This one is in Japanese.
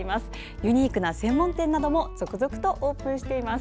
ユニークな専門店なども続々とオープンしています。